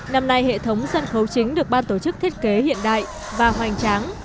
năm nay hệ thống sân khấu chính được ban tổ chức thiết kế hiện đại và hoành tráng